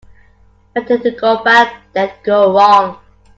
Better to go back than go wrong.